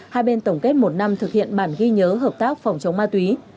hai bên tổng kết một năm thực hiện bản ghi nhớ hợp tác phòng chống ma túy